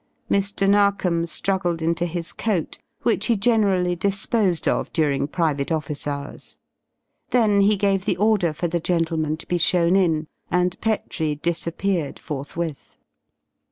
Mr. Narkom struggled into his coat which he generally disposed of during private office hours. Then he gave the order for the gentleman to be shown in and Petrie disappeared forthwith.